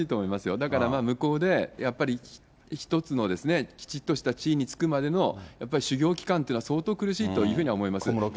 だから、向こうでやっぱり１つのきちっとした地位に就くまでの修業期間っていうのは相当苦しいというふうには思います。